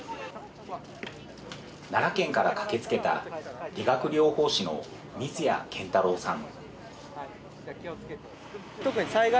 奈良県から駆けつけた理学療法士の水家健太郎さん。